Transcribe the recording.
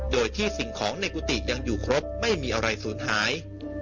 โดยที่สิ่งของในกุฏิยังอยู่ครบไม่มีอะไรสูญหาย